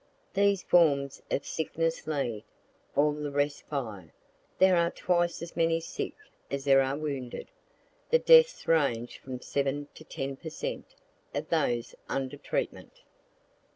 These forms of sickness lead; all the rest follow. There are twice as many sick as there are wounded. The deaths range from seven to ten per cent, of those under treatment.